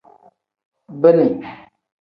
Bini.